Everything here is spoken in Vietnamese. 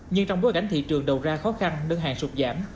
nhưng trong bối cảnh thị trường đầu ra khó khăn đơn hàng sụt giảm